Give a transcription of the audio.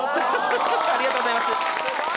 ありがとうございます。